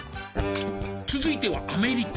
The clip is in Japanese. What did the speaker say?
続いてはアメリカ。